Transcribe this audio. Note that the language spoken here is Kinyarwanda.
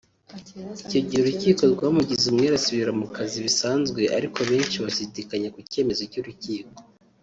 Icyo gihe urukiko rwamugize umwere asubira mu kazi bisanzwe ariko benshi bashidikanya ku cyemezo cy’urukiko